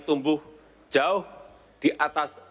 tumbuh jauh di atas